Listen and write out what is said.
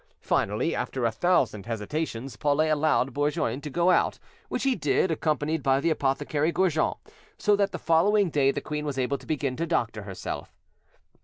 Finally, after a thousand hesitations, Paulet allowed Bourgoin to go out, which he did, accompanied by the apothecary Gorjon; so that the following day the queen was able to begin to doctor herself.